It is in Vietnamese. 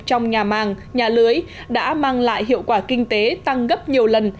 trong nhà màng nhà lưới đã mang lại hiệu quả kinh tế tăng gấp nhiều lần